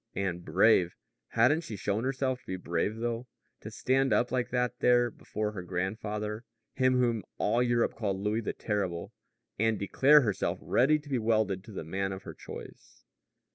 And brave! Hadn't she shown herself to be brave though to stand up like that there before her grandfather, him whom all Europe called Louis the Terrible, and declare herself ready to be welded to the man of her choice!